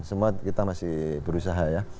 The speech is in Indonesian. semua kita masih berusaha ya